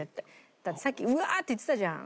だってさっき「うわー！」って言ってたじゃん。